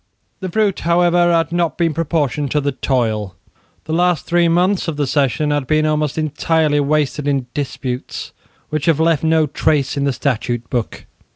The fruit however had not been proportioned to the toil. The last three months of the session had been almost entirely wasted in disputes, which have left no trace in the Statute Book.